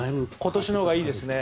今年のほうがいいですね。